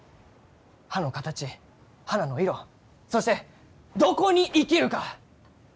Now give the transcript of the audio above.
葉の形花の色そしてどこに生きるか！